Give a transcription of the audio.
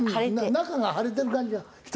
中が腫れてる感じがした。